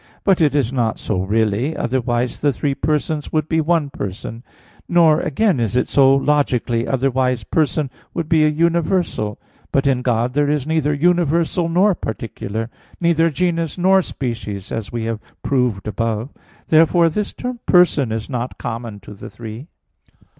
But it is not so really; otherwise the three persons would be one person; nor again is it so logically; otherwise person would be a universal. But in God there is neither universal nor particular; neither genus nor species, as we proved above (Q. 3, A. 5). Therefore this term 'person' is not common to the three.